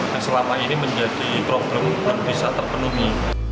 yang selama ini menjadi problem belum bisa terpenuhi